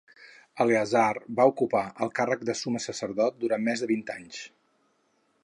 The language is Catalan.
Eleazar va ocupar el càrrec de summe sacerdot durant més de vint anys.